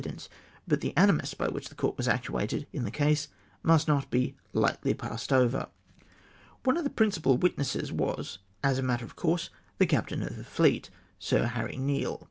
dence ; but the animus by which the Court was actuated in the case must not be lightly passed over. One of the principal Avitnesses was, as a matter of course, the Captain of the Fleet, Sk Harry Neale.